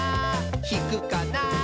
ひくかな？